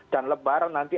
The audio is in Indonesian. dan lebaran nanti